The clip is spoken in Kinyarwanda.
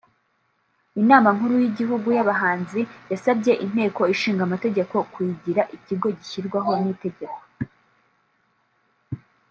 Inama Nkuru y’Igihugu y’Abahanzi yasabye Inteko Ishinga Amategeko kuyigira ikigo gishyirwaho n’Itegeko